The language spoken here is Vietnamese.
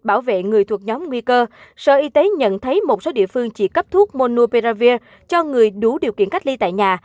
bảo vệ người thuộc nhóm nguy cơ sở y tế nhận thấy một số địa phương chỉ cấp thuốc monopearavir cho người đủ điều kiện cách ly tại nhà